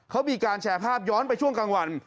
เขามีการแชร์ภาพย้อนไปช่วงกลางวัน